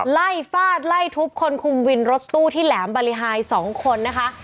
ไล่ฟาดไล่ทุบคนคุมวินรถตู้ที่แหลมบริหาย๒คนนะคะ